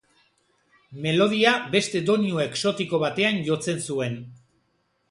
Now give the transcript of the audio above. Melodia beste doinu exotiko batean jotzen zuen.